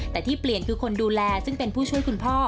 แต่ที่เปลี่ยนคือคนดูแลซึ่งเป็นผู้ช่วยคุณพ่อ